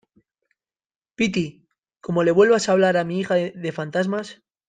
piti, como le vuelvas a hablar a mi hija de fantasmas